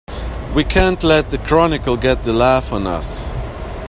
We can't let the Chronicle get the laugh on us!